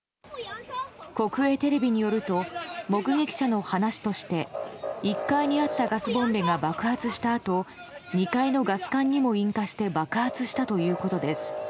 国営テレビによると目撃者の話として１階にあったガスボンベが爆発したあと２階のガス管にも引火して爆発したということです。